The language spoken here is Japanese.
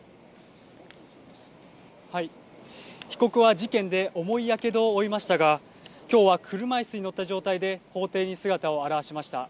被告は事件で重いやけどを負いましたが、きょうは車いすに乗った状態で法廷に姿を現しました。